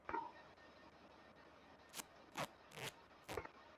এবং এটা পুরোপুরি ফৌজদারি মামলায় পরিণত হয়েছে।